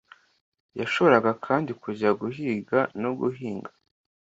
Yashoboraga kandi kujya guhiga no guhinga.